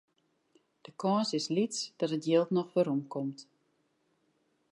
De kâns is lyts dat it jild noch werom komt.